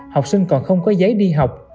học sinh còn không có giấy đi học